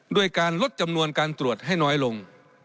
ด้วยการลดจำนวนการตรวจให้น้อยลง